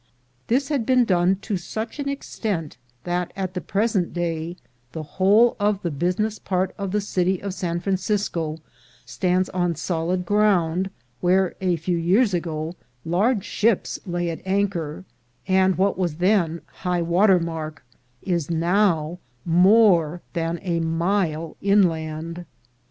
This has been done to such an extent, that at the present day the whole of the business part of the city of San Francisco stands on solid ground, where a few years ago large ships lay at anchor; and what was then high water mark is now more than a mile inland.